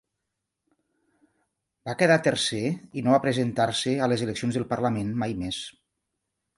Va quedar tercer i no va presentar-se a les eleccions del parlament mai més.